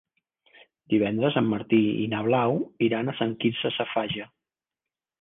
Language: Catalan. Divendres en Martí i na Blau iran a Sant Quirze Safaja.